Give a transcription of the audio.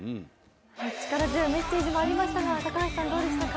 力強いメッセージもありましたが、高橋さん、どうでしたか？